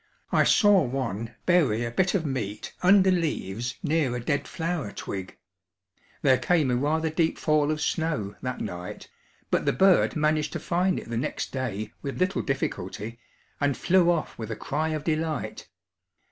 I saw one bury a bit of meat under leaves near a dead flower twig; there came a rather deep fall of snow that night, but the bird managed to find it the next day with little difficulty and flew off with a cry of delight.